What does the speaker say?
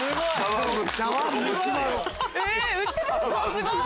すごい。